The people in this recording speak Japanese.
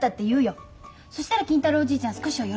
そしたら金太郎おじいちゃん少しは喜ぶでしょ。